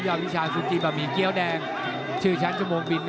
ยอดวิชาซูจิบะหมี่เกี้ยวแดงชื่อชั้นจมูกบิน